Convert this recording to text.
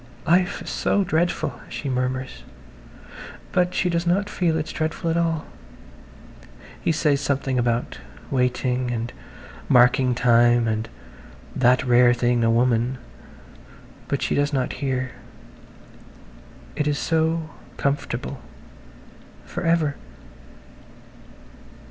"Life is so dreadful," she murmurs, but she does not feel it's dreadful at all. He says something about "waiting" and "marking time" and "that rare thing, a woman," but she does not hear. It is so comfortable ... for ever